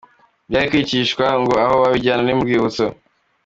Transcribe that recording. Ibi yari kwicishwa ngo aho yabijyana ni mu rwibutso….